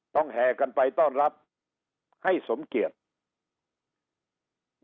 แห่กันไปต้อนรับให้สมเกียจ